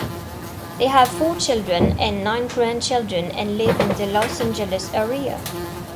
They have four children and nine grandchildren and live in the Los Angeles area.